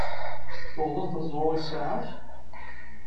Tuɣeḍ-as-d aẓru i ssaɛa-k.